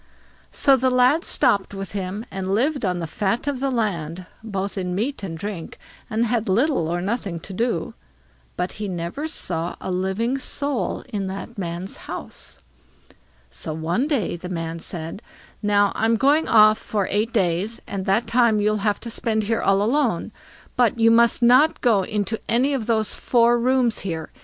So the lad stopped with him, and lived on the fat of the land, both in meat and drink, and had little or nothing to do; but he never saw a living soul in that man's house. So one day the man said: "Now, I'm going off for eight days, and that time you'll have to spend here all alone; but you must not go into any one of these four rooms here.